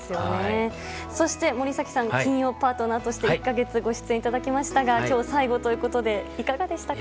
そして、森崎さん金曜パートナーとして１か月後出演いただきましたが今日最後ということでいかがでしたか？